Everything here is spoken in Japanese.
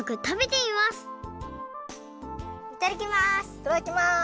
いただきます！